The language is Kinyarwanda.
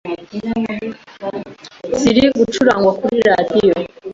ziri gucurengwe kuri Rediyo